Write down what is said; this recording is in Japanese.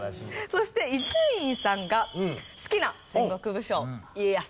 そして伊集院さんが好きな戦国武将家康との事で。